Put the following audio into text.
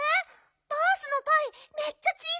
バースのパイめっちゃ小さい。